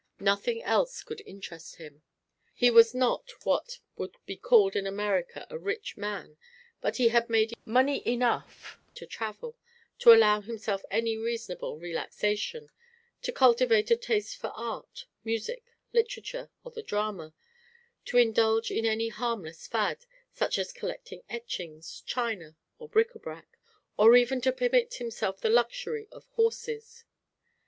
Nothing else could interest him. He was not what would be called in America a rich man, but he had made money enough to travel, to allow himself any reasonable relaxation, to cultivate a taste for art, music, literature or the drama, to indulge in any harmless fad, such as collecting etchings, china or bric à brac, or even to permit himself the luxury of horses.